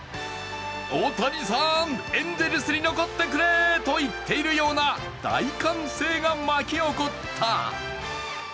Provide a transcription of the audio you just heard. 大谷さん、エンゼルスに残ってくれと言っているような大歓声が巻き起こった。